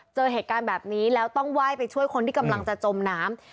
เจอเหตุการณ์แบบนี้แล้วต้องไหว้ไปช่วยคนที่กำลังจะจมน้ำ